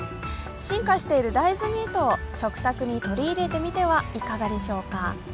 進化している大豆ミートを食卓に取り入れてみてはいかがでしょうか。